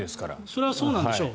それはそうなんでしょう。